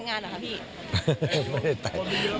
ไม่ได้แต่งงาน